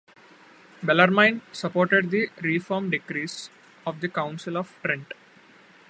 Bellarmine supported the reform decrees of the Council of Trent.